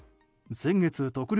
先月特例